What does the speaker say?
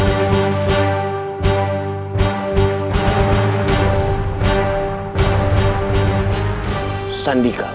ketika mereka berada di sana